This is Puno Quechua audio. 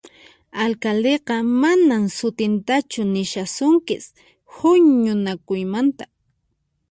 Alcaldeqa manan sut'intachu nishasunkis huñunakuymanta